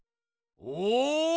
お！